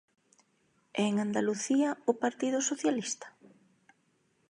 ¿E en Andalucía o Partido Socialista?